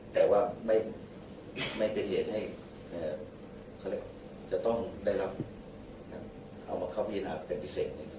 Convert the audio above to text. แต่ว่าไม่เป็นเหตุให้จะต้องได้รับเข้ามาเข้ามีราคาเป็นพิเศษในเรื่องนี้